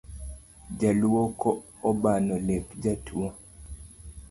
Jaluoko obano lep jatuo